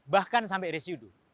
bahkan sampah residu